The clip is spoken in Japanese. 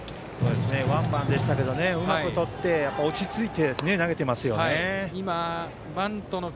ワンバンでしたけどうまくとって落ち着いて投げていますよね。